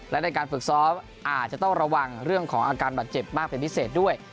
และในการฝึกซ้อมอาจจะต้องระวังเรื่องของอาการบาดเจ็บมากเป็นพิเศษด้วย